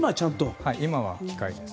今は機械です。